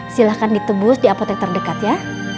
silahkan ditebus di apotek terdekat ya